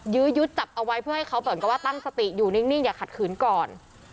ื้อยึดจับเอาไว้เพื่อให้เขาเหมือนกับว่าตั้งสติอยู่นิ่งอย่าขัดขืนก่อน